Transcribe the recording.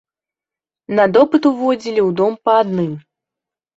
На допыт уводзілі ў дом па адным.